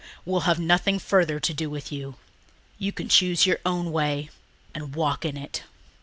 We'll have nothing further to do with you. You can choose your own way and walk in it."